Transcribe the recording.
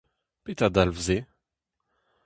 Petra dalv se ?